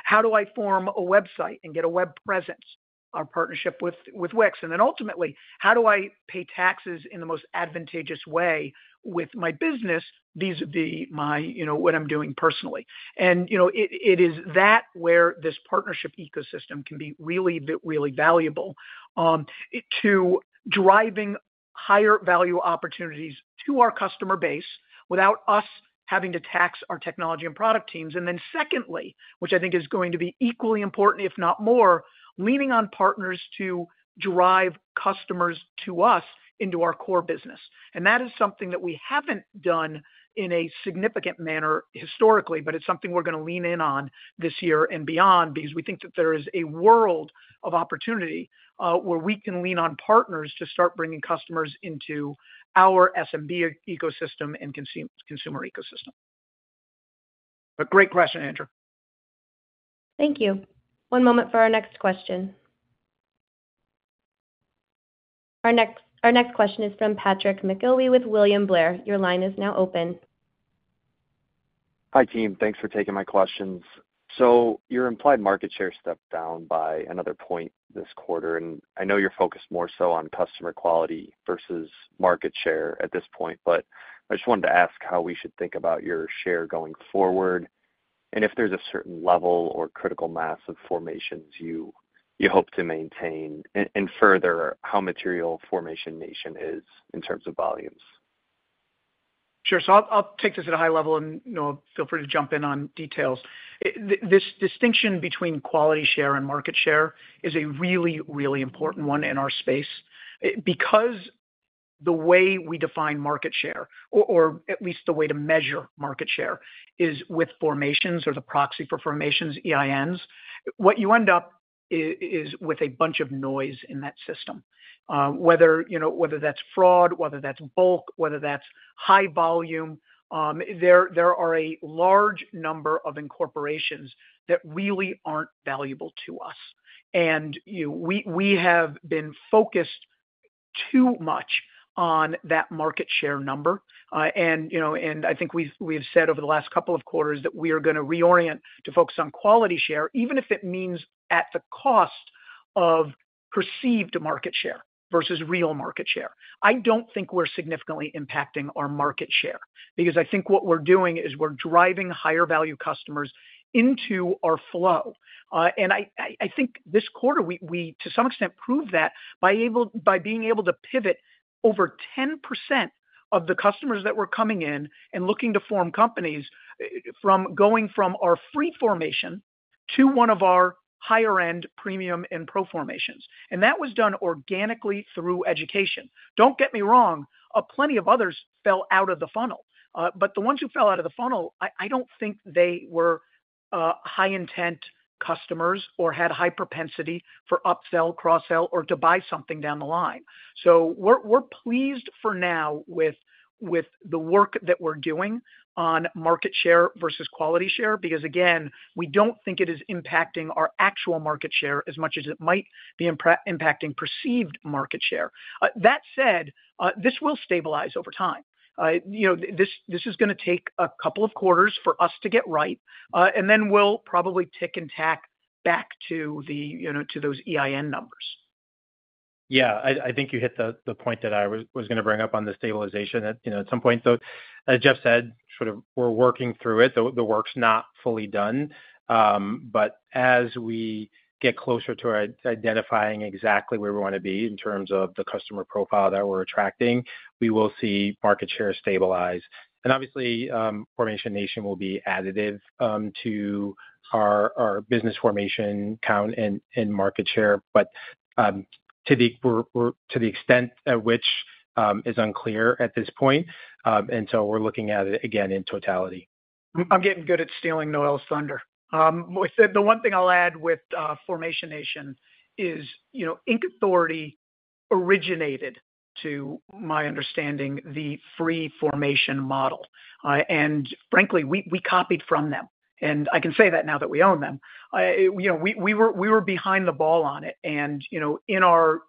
How do I form a website and get a web presence? Our partnership with Wix. And then ultimately, how do I pay taxes in the most advantageous way with my business vis-à-vis what I'm doing personally? And it is that where this partnership ecosystem can be really, really valuable to driving higher-value opportunities to our customer base without us having to tax our technology and product teams. And then secondly, which I think is going to be equally important, if not more, leaning on partners to drive customers to us into our core business. And that is something that we haven't done in a significant manner historically, but it's something we're going to lean in on this year and beyond because we think that there is a world of opportunity where we can lean on partners to start bringing customers into our SMB ecosystem and consumer ecosystem. But great question, Andrew. Thank you. One moment for our next question. Our next question is from Patrick McIlwee with William Blair. Your line is now open. Hi, team. Thanks for taking my questions. So your implied market share stepped down by another point this quarter. And I know you're focused more so on customer quality versus market share at this point, but I just wanted to ask how we should think about your share going forward and if there's a certain level or critical mass of formations you hope to maintain and further how material Formation Nation is in terms of volumes. Sure. So I'll take this at a high level, and feel free to jump in on details. This distinction between quality share and market share is a really, really important one in our space because the way we define market share, or at least the way to measure market share, is with formations or the proxy for formations, EINs. What you end up with is a bunch of noise in that system, whether that's fraud, whether that's bulk, whether that's high volume. There are a large number of incorporations that really aren't valuable to us. And we have been focused too much on that market share number. And I think we've said over the last couple of quarters that we are going to reorient to focus on quality share, even if it means at the cost of perceived market share versus real market share. I don't think we're significantly impacting our market share because I think what we're doing is we're driving higher-value customers into our flow. I think this quarter, we to some extent proved that by being able to pivot over 10% of the customers that were coming in and looking to form companies from going from our free formation to one of our higher-end premium and pro formations. That was done organically through education. Don't get me wrong, plenty of others fell out of the funnel. The ones who fell out of the funnel, I don't think they were high-intent customers or had high propensity for upsell, cross-sell, or to buy something down the line. We're pleased for now with the work that we're doing on market share versus quality share because, again, we don't think it is impacting our actual market share as much as it might be impacting perceived market share. That said, this will stabilize over time. This is going to take a couple of quarters for us to get right, and then we'll probably zigzag back to those EIN numbers. Yeah. I think you hit the point that I was going to bring up on the stabilization at some point. So as Jeff said, sort of we're working through it. The work's not fully done, but as we get closer to identifying exactly where we want to be in terms of the customer profile that we're attracting, we will see market share stabilize, and obviously, Formation Nation will be additive to our business formation count and market share. But to the extent at which is unclear at this point, and so we're looking at it again in totality. I'm getting good at stealing Noel's thunder. The one thing I'll add with Formation Nation is Inc Authority originated, to my understanding, the free formation model. And frankly, we copied from them. And I can say that now that we own them. We were behind the ball on it. And in our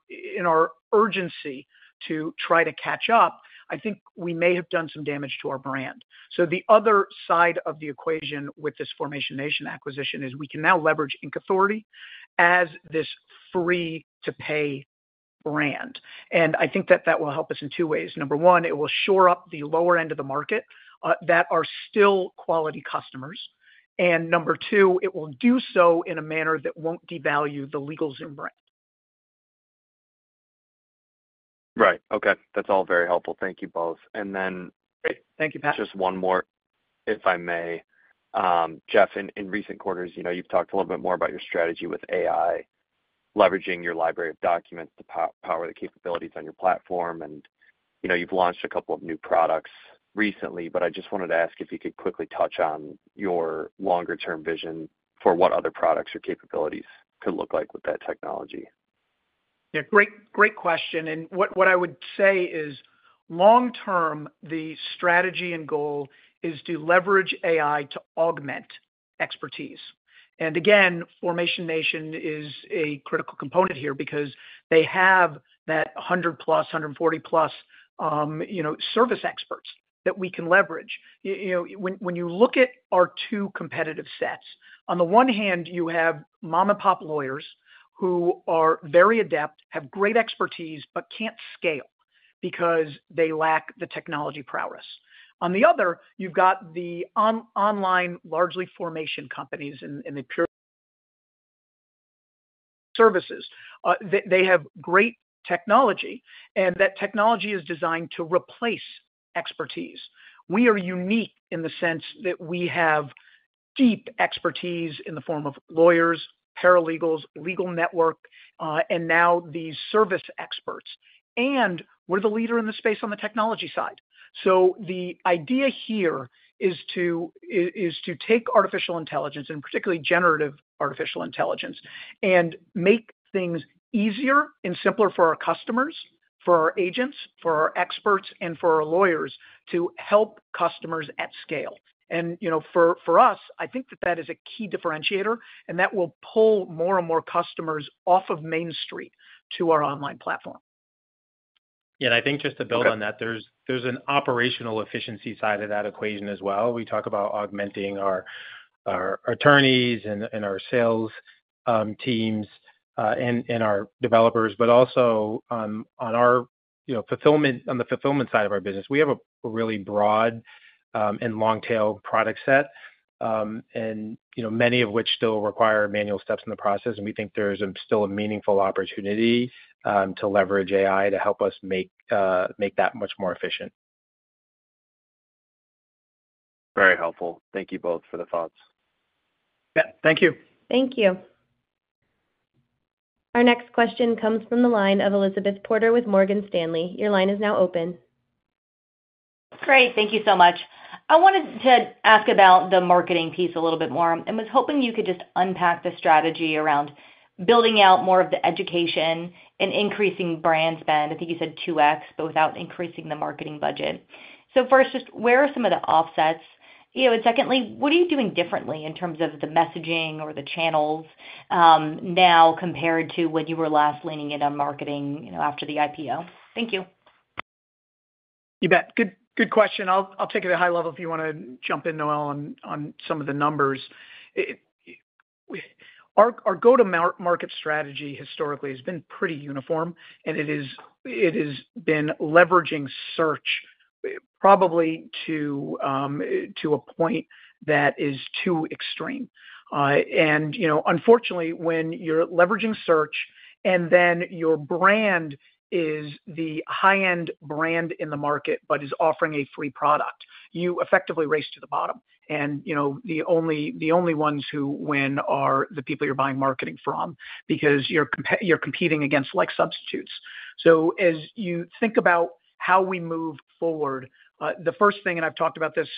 urgency to try to catch up, I think we may have done some damage to our brand. So the other side of the equation with this Formation Nation acquisition is we can now leverage Inc Authority as this free-to-pay brand. And I think that that will help us in two ways. Number one, it will shore up the lower end of the market that are still quality customers. And number two, it will do so in a manner that won't devalue the LegalZoom brand. Right. Okay. That's all very helpful. Thank you both. And then. Great. Thank you, Pat. Just one more, if I may. Jeff, in recent quarters, you've talked a little bit more about your strategy with AI, leveraging your library of documents to power the capabilities on your platform. And you've launched a couple of new products recently. But I just wanted to ask if you could quickly touch on your longer-term vision for what other products or capabilities could look like with that technology. Yeah. Great question. And what I would say is, long term, the strategy and goal is to leverage AI to augment expertise. And again, Formation Nation is a critical component here because they have that 100-plus, 140-plus service experts that we can leverage. When you look at our two competitive sets, on the one hand, you have mom-and-pop lawyers who are very adept, have great expertise, but can't scale because they lack the technology prowess. On the other, you've got the online largely formation companies and the pure services. They have great technology, and that technology is designed to replace expertise. We are unique in the sense that we have deep expertise in the form of lawyers, paralegals, legal network, and now these service experts. And we're the leader in the space on the technology side. So the idea here is to take artificial intelligence, and particularly generative artificial intelligence, and make things easier and simpler for our customers, for our agents, for our experts, and for our lawyers to help customers at scale. And for us, I think that that is a key differentiator, and that will pull more and more customers off of Main Street to our online platform. Yeah. And I think just to build on that, there's an operational efficiency side of that equation as well. We talk about augmenting our attorneys and our sales teams and our developers, but also on the fulfillment side of our business. We have a really broad and long-tail product set, and many of which still require manual steps in the process, and we think there's still a meaningful opportunity to leverage AI to help us make that much more efficient. Very helpful. Thank you both for the thoughts. Yeah. Thank you. Thank you. Our next question comes from the line of Elizabeth Porter with Morgan Stanley. Your line is now open. Great. Thank you so much. I wanted to ask about the marketing piece a little bit more and was hoping you could just unpack the strategy around building out more of the education and increasing brand spend. I think you said 2X, but without increasing the marketing budget, so first, just where are some of the offsets? And secondly, what are you doing differently in terms of the messaging or the channels now compared to when you were last leaning in on marketing after the IPO? Thank you. You bet. Good question. I'll take it at a high level if you want to jump in, Noel, on some of the numbers. Our go-to-market strategy historically has been pretty uniform, and it has been leveraging search probably to a point that is too extreme. And unfortunately, when you're leveraging search and then your brand is the high-end brand in the market but is offering a free product, you effectively race to the bottom. And the only ones who win are the people you're buying marketing from because you're competing against like substitutes. So as you think about how we move forward, the first thing (and I've talked about this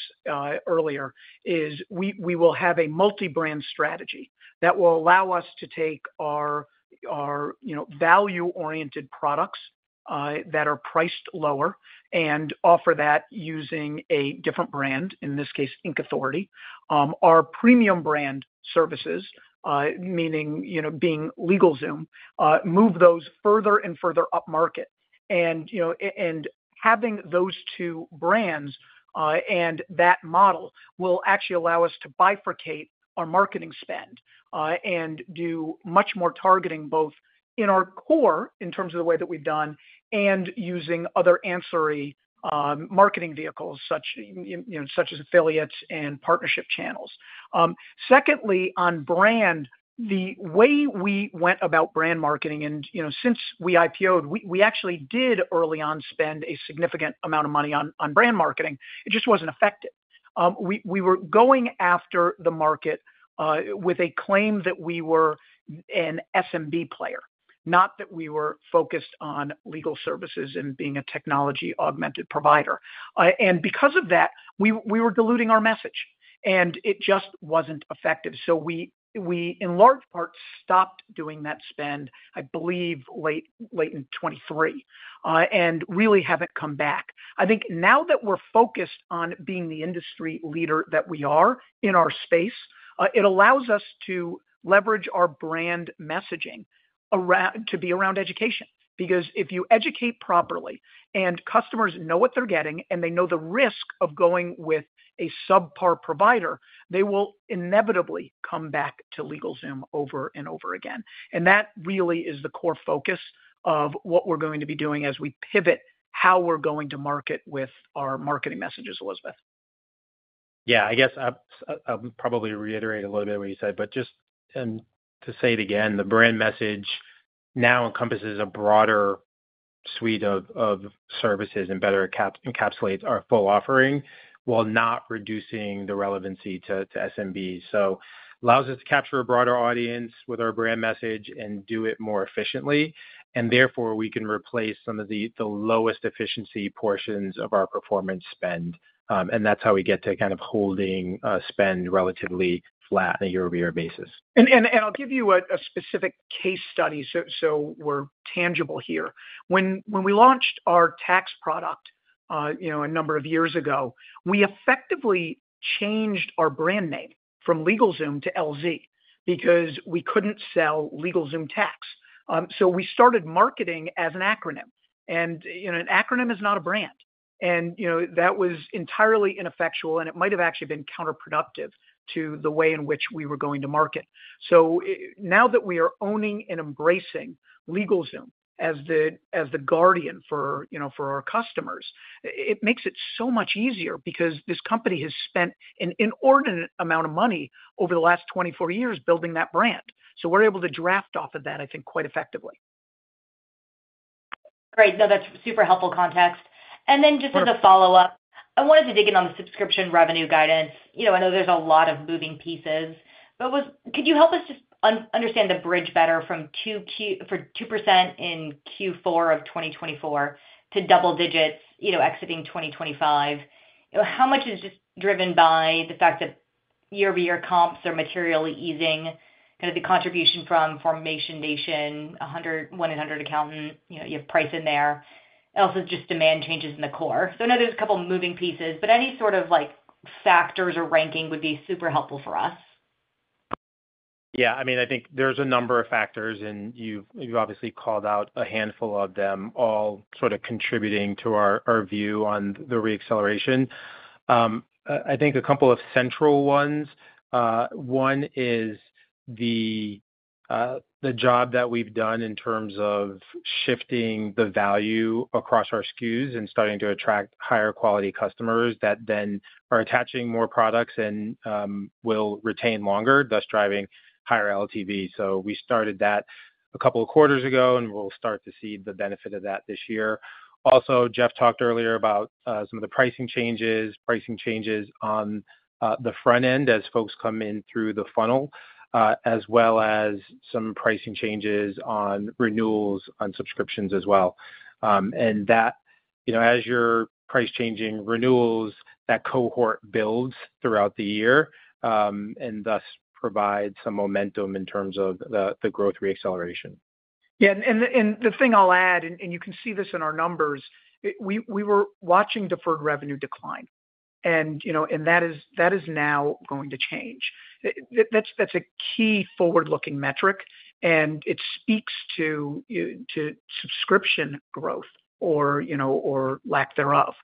earlier) is we will have a multi-brand strategy that will allow us to take our value-oriented products that are priced lower and offer that using a different brand, in this case, Inc Authority. Our premium brand services, meaning being LegalZoom, move those further and further up market. And having those two brands and that model will actually allow us to bifurcate our marketing spend and do much more targeting both in our core in terms of the way that we've done and using other ancillary marketing vehicles such as affiliates and partnership channels. Secondly, on brand, the way we went about brand marketing and since we IPOed, we actually did early on spend a significant amount of money on brand marketing. It just wasn't effective. We were going after the market with a claim that we were an SMB player, not that we were focused on legal services and being a technology augmented provider. And because of that, we were diluting our message, and it just wasn't effective. So we, in large part, stopped doing that spend, I believe, late in 2023 and really haven't come back. I think now that we're focused on being the industry leader that we are in our space, it allows us to leverage our brand messaging to be around education because if you educate properly and customers know what they're getting and they know the risk of going with a subpar provider, they will inevitably come back to LegalZoom over and over again. That really is the core focus of what we're going to be doing as we pivot how we're going to market with our marketing messages, Elizabeth. Yeah. I guess I'll probably reiterate a little bit of what you said, but just to say it again, the brand message now encompasses a broader suite of services and better encapsulates our full offering while not reducing the relevancy to SMB. So it allows us to capture a broader audience with our brand message and do it more efficiently. And therefore, we can replace some of the lowest efficiency portions of our performance spend. And that's how we get to kind of holding spend relatively flat on a year-over-year basis. And I'll give you a specific case study so we're tangible here. When we launched our tax product a number of years ago, we effectively changed our brand name from LegalZoom to LZ because we couldn't sell LegalZoom Tax. So we started marketing as an acronym. And an acronym is not a brand. And that was entirely ineffectual, and it might have actually been counterproductive to the way in which we were going to market. So now that we are owning and embracing LegalZoom as the guardian for our customers, it makes it so much easier because this company has spent an inordinate amount of money over the last 24 years building that brand. So we're able to draft off of that, I think, quite effectively. Great. No, that's super helpful context. And then just as a follow-up, I wanted to dig in on the subscription revenue guidance. I know there's a lot of moving pieces, but could you help us just understand the bridge better from 2% in Q4 of 2024 to double digits exiting 2025? How much is just driven by the fact that year-over-year comps are materially easing? Kind of the contribution from Formation Nation, 1-800Accountant, you have price in there. Also, just demand changes in the core. So I know there's a couple of moving pieces, but any sort of factors or ranking would be super helpful for us. Yeah. I mean, I think there's a number of factors, and you've obviously called out a handful of them all sort of contributing to our view on the reacceleration. I think a couple of central ones. One is the job that we've done in terms of shifting the value across our SKUs and starting to attract higher-quality customers that then are attaching more products and will retain longer, thus driving higher LTV. So we started that a couple of quarters ago, and we'll start to see the benefit of that this year. Also, Jeff talked earlier about some of the pricing changes, pricing changes on the front end as folks come in through the funnel, as well as some pricing changes on renewals on subscriptions as well. And as you're price-changing renewals, that cohort builds throughout the year and thus provides some momentum in terms of the growth reacceleration. Yeah. And the thing I'll add, and you can see this in our numbers, we were watching deferred revenue decline. And that is now going to change. That's a key forward-looking metric, and it speaks to subscription growth or lack thereof.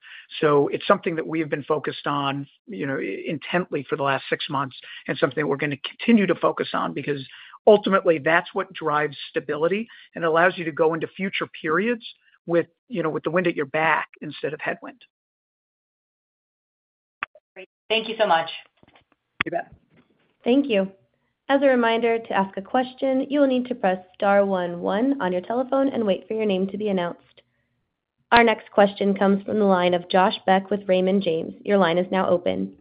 So it's something that we have been focused on intently for the last six months and something that we're going to continue to focus on because ultimately, that's what drives stability and allows you to go into future periods with the wind at your back instead of headwind. Great. Thank you so much. You bet. Thank you. As a reminder, to ask a question, you will need to press star one one on your telephone and wait for your name to be announced. Our next question comes from the line of Josh Beck with Raymond James. Your line is now open.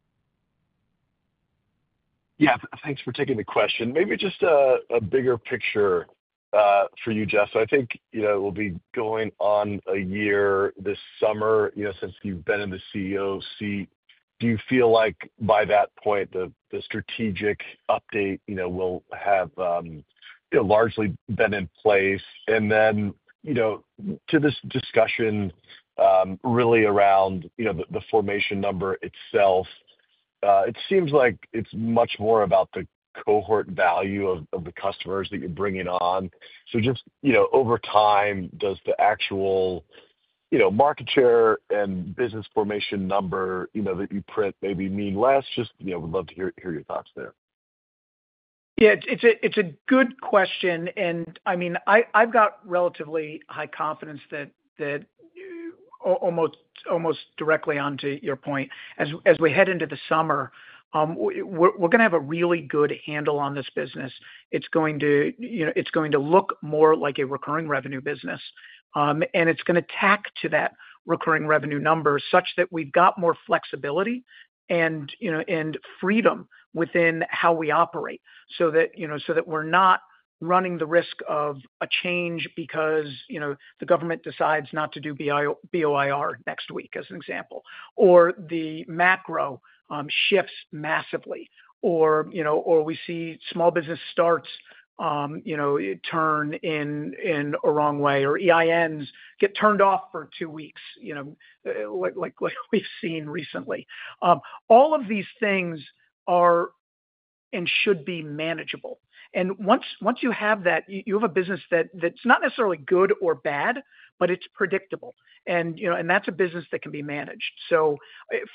Yeah. Thanks for taking the question. Maybe just a bigger picture for you, Jeff. So I think we'll be going on a year this summer since you've been in the CEO seat. Do you feel like by that point, the strategic update will have largely been in place? And then to this discussion really around the formation number itself, it seems like it's much more about the cohort value of the customers that you're bringing on. So just over time, does the actual market share and business formation number that you print maybe mean less? Just would love to hear your thoughts there. Yeah. It's a good question. And I mean, I've got relatively high confidence that almost directly onto your point. As we head into the summer, we're going to have a really good handle on this business. It's going to look more like a recurring revenue business, and it's going to tack to that recurring revenue number such that we've got more flexibility and freedom within how we operate so that we're not running the risk of a change because the government decides not to do BOIR next week, as an example, or the macro shifts massively, or we see small business starts turn in a wrong way, or EINs get turned off for two weeks like we've seen recently. All of these things are and should be manageable. And once you have that, you have a business that's not necessarily good or bad, but it's predictable. And that's a business that can be managed. So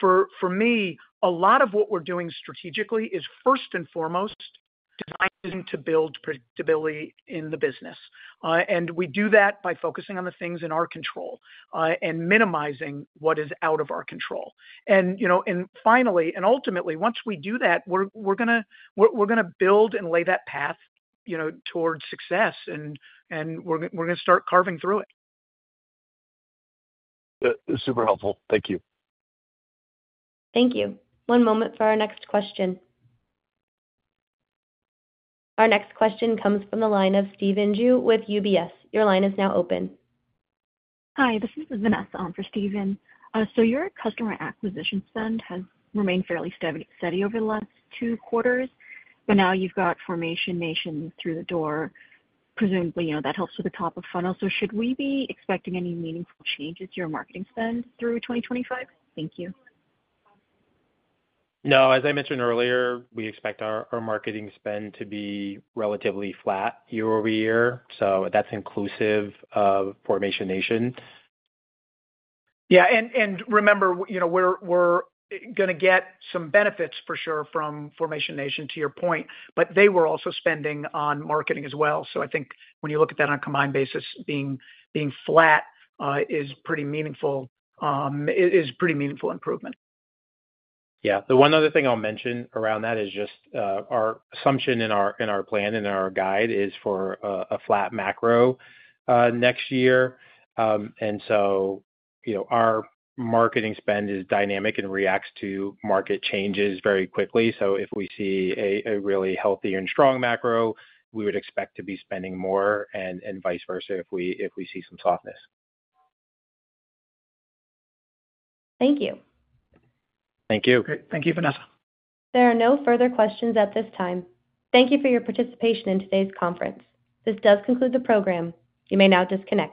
for me, a lot of what we're doing strategically is first and foremost designed to build predictability in the business. And we do that by focusing on the things in our control and minimizing what is out of our control. And finally, and ultimately, once we do that, we're going to build and lay that path towards success, and we're going to start carving through it. Super helpful. Thank you. Thank you. One moment for our next question. Our next question comes from the line of Steven Jue with UBS. Your line is now open. Hi. This is Vanessa Ong for Steven. So your customer acquisition spend has remained fairly steady over the last two quarters, but now you've got Formation Nation through the door. Presumably, that helps with the top of funnel. So should we be expecting any meaningful changes to your marketing spend through 2025? Thank you. No. As I mentioned earlier, we expect our marketing spend to be relatively flat year-over-year. So that's inclusive of Formation Nation. Yeah. And remember, we're going to get some benefits for sure from Formation Nation to your point, but they were also spending on marketing as well. So I think when you look at that on a combined basis, being flat is pretty meaningful improvement. Yeah. The one other thing I'll mention around that is just our assumption in our plan and our guide is for a flat macro next year. And so our marketing spend is dynamic and reacts to market changes very quickly. So if we see a really healthy and strong macro, we would expect to be spending more and vice versa if we see some softness. Thank you. Thank you. Great. Thank you, Vanessa. There are no further questions at this time. Thank you for your participation in today's conference. This does conclude the program. You may now disconnect.